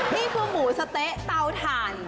นี่คือหมูสะเต๊ะเตาถ่าน